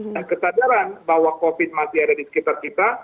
dan kesadaran bahwa covid masih ada di sekitar kita